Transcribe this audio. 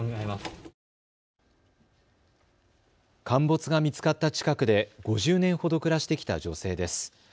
陥没が見つかった近くで５０年ほど暮らしてきた女性です。